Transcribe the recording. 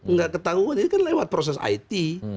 nggak ketahuan ini kan lewat proses it